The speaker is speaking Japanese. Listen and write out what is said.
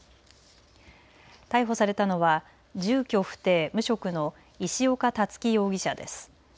逮捕されたのは住居不定、無職の石岡樹容疑者です。